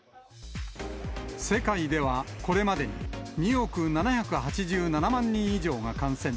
世界ではこれまでに２億７８７万人以上が感染。